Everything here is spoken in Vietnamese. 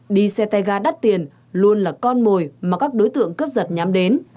đi xe tay ga đắt tiền luôn là con mồi mà các đối tượng cướp giật nhắm đến